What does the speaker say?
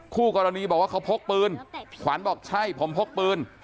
คู่กรณีบอกว่าเขาพกปืนขวัญบอกใช่ผมพกปืน